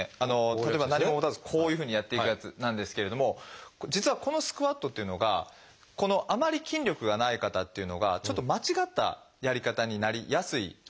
例えば何も持たずこういうふうにやっていくやつなんですけれども実はこのスクワットっていうのがあまり筋力がない方っていうのがちょっと間違ったやり方になりやすい運動なんですね。